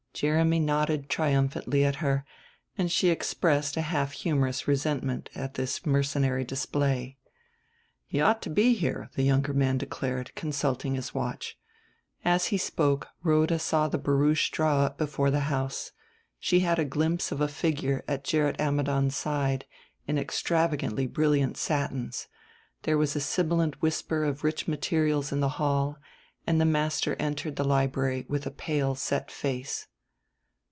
Jeremy nodded triumphantly at her, and she expressed a half humorous resentment at this mercenary display. "He ought to be here," the younger man declared, consulting his watch. As he spoke Rhoda saw the barouche draw up before the house. She had a glimpse of a figure at Gerrit Ammidon's side in extravagantly brilliant satins; there was a sibilant whisper of rich materials in the hall, and the master entered the library with a pale set face.